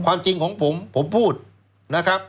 ความจริงของผมผมพูดนะครับ